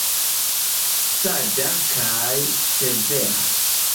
Saĝa kaj severa.